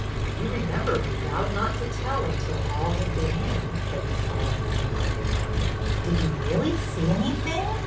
"You remember we vowed not to tell until all had been in," Betty solemnly reminded them. " Did you really see anything